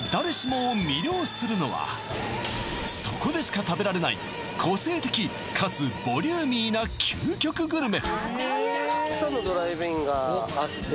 そこでしか食べられない個性的かつボリューミーな究極グルメ！